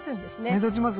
目立ちます